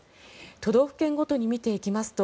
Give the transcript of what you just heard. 都道府県ごとに見ていきますと